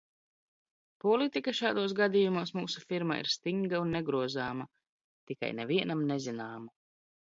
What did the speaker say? Politika šādos gadījumos mūsu firmā ir stinga un negrozāma, tikai nevienam nezināma...